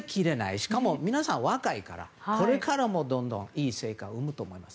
しかも皆さん若いからこれからもどんどんいい成果を生むと思います。